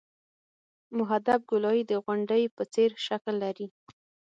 محدب ګولایي د غونډۍ په څېر شکل لري